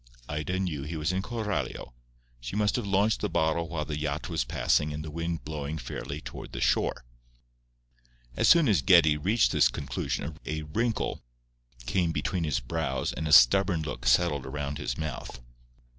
Ida knew he was in Coralio; she must have launched the bottle while the yacht was passing and the wind blowing fairly toward the shore. As soon as Geddie reached this conclusion a wrinkle came between his brows and a stubborn look settled around his mouth.